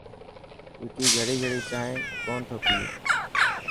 وڪي گڙي گڙي جائين ڪونه ٿو پئي.